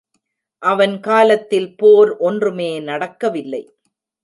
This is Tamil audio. அவன் காலத்தில் போர் ஒன்றுமே நடக்கவில்லை.